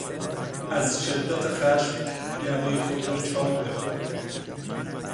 از شدت خشم یقهی خود را چاک داد.